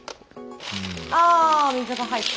あ水が入った。